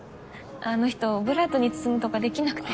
あの人オブラートに包むとかできなくて。